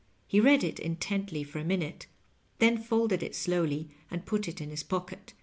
He read it intently for a minute, then folded it slowly and put it in his pocket.